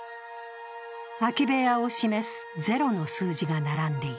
空き部屋を示す０の数字が並んでいる。